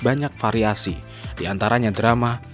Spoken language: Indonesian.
banyak variasi diantaranya drama